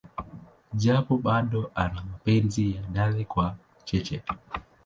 Japo bado ana mapenzi ya dhati kwa Cheche.